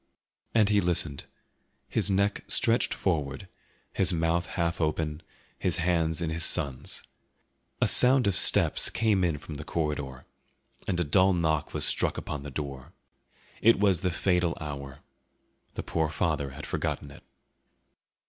And he listened, his neck stretched forward, his mouth half open, his hands in his son's. A sound of steps came in from the corridor, and a dull knock was struck upon the door. It was the fatal hour. The poor father had forgotten it.